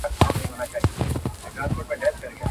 څوک چي په تېغ لوبي کوي زخمي به سینه!